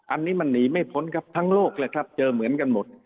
อันนี้มันหนีไม่พ้นครับทั้งโลกเลยครับเจอเหมือนกันหมด